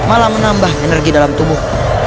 malah menambah energi dalam tubuh